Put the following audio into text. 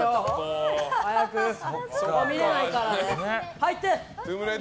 入って！